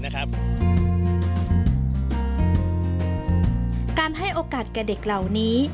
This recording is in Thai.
การให้โอกาสแก่เด็กเหล่านี้